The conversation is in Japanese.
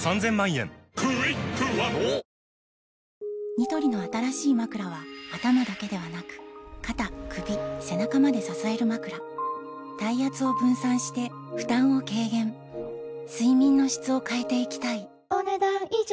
ニトリの新しいまくらは頭だけではなく肩・首・背中まで支えるまくら体圧を分散して負担を軽減睡眠の質を変えていきたいお、ねだん以上。